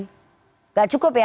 tidak cukup ya